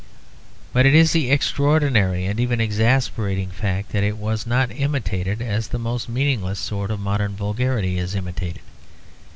But it is the extraordinary and even exasperating fact that it was not imitated as the most meaningless sort of modern vulgarity is imitated.